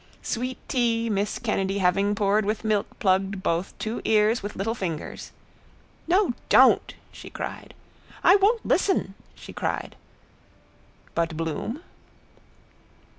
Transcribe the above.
Sweet tea miss Kennedy having poured with milk plugged both two ears with little fingers. —No, don't, she cried. —I won't listen, she cried. But Bloom?